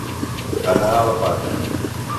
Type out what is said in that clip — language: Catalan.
Anar a la part.